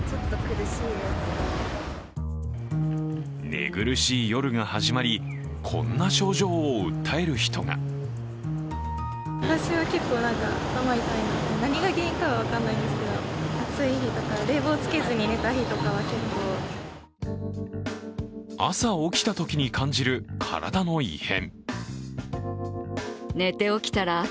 寝苦しい夜が始まりこんな症状を訴える人が朝起きたときに感じる体の異変。